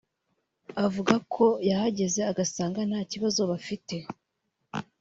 avuga ko yahageze agasanga nta kibazo bafite